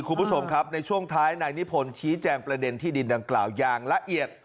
คุณผู้ชมครับในช่วงท้ายนายนิพนธ์ชี้แจงประเด็นที่ดินดังกล่าวอย่างละเอียด